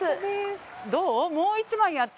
どう？